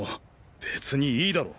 別にいいだろ。